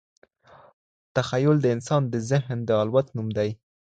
تخیل د انسان د ذهن د الوت نوم دئ.